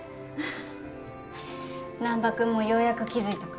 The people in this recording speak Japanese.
難破君もようやく気付いたか。